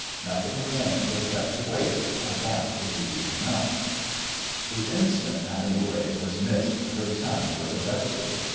Nothing remained except to wait, and that was easy enough. The instant Madame Houet was missed her son was arrested.